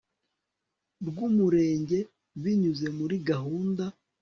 rw umurenge binyuze muri gahunda